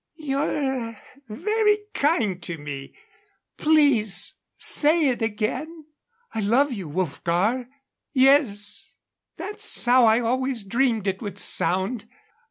"You're very kind to me. Please say it again." "I love you, Wolfgar." "Yes that's how I always dreamed it would sound.